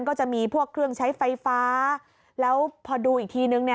ก็จะมีพวกเครื่องใช้ไฟฟ้าแล้วพอดูอีกทีนึงเนี่ย